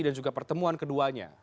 dan juga pertemuan keduanya